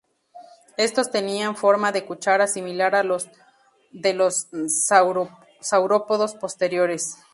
Estos tenían forma de cuchara similar a los de los saurópodos posteriores.